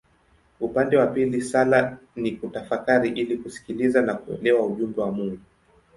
Upande wa pili sala ni kutafakari ili kusikiliza na kuelewa ujumbe wa Mungu.